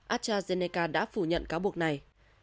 astrazeneca đã phủ nhận cáo buộc này